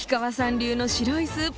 流の白いスープ。